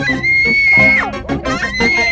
binya mulai bintang at